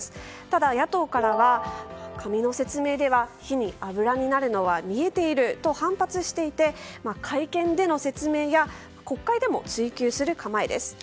ただ、野党からは紙の説明では火に油になるのは見えていると反発していて、会見での説明や国会でも追及する構えです。